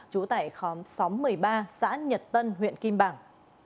trú tại khóm xóm một mươi ba xã nhật tân huyện kim bảng